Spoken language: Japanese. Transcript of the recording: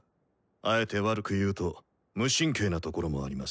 あえて悪く言うと無神経なところもあります。